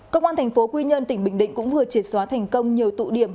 cơ quan thành phố quy nhơn tỉnh bình định cũng vừa triệt xóa thành công nhiều tụ điểm